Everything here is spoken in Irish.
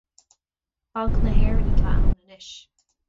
Banc na hÉireann atá ann anois